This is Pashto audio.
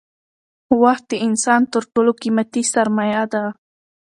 وخت د انسان تر ټولو قیمتي سرمایه ده